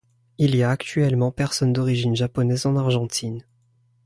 Il y a actuellement personnes d'origine japonaise en Argentine.